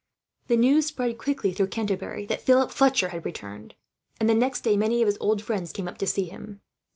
The news spread quickly through Canterbury that Philip Fletcher had returned, and the next day many of his old friends came up to see him.